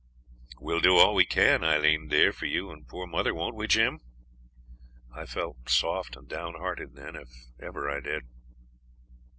'We'll do all we can, Aileen dear, for you and poor mother, won't we, Jim?' I felt soft and down hearted then, if ever I did.